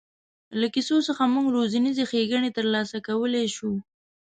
له کیسو څخه موږ روزنیزې ښېګڼې تر لاسه کولای شو.